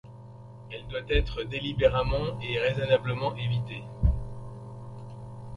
Elle doit être délibérément et raisonnablement évitée.